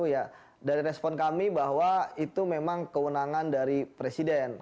ya dari respon kami bahwa itu memang kewenangan dari presiden